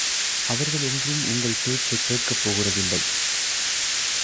அவர்கள் ஒன்றும் உங்கள் பேச்சைக் கேட்கப் போகிறதில்லை!